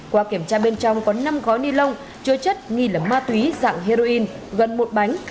qua kiểm tra bên trong có năm gói ni lông chứa chất nghi là ma túy dạng heroin gần một bánh